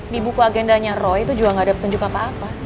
di buku agendanya roy itu juga gak ada petunjuk apa apa